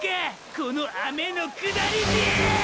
この雨の下りでェ！！